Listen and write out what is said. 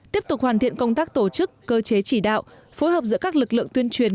tiếp tục hoàn thiện công tác tổ chức cơ chế chỉ đạo phối hợp giữa các lực lượng tuyên truyền